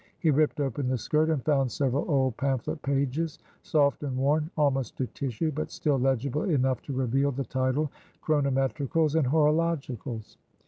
He ripped open the skirt, and found several old pamphlet pages, soft and worn almost to tissue, but still legible enough to reveal the title "Chronometricals and Horologicals."